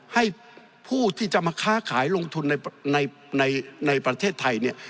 ให้ผู้ที่จะมาค้าขายลงทุนในประเทศไทยเนี่ย